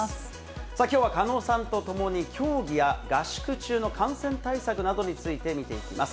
さあ、きょうは狩野さんと共に、競技や合宿中の感染対策などについて見ていきます。